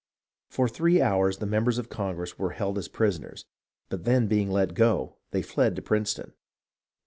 For three hours the members of Congress were held as prisoners ; but then being let go, they fled to Princeton.